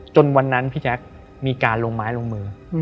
วันนั้นพี่แจ๊คมีการลงไม้ลงมือ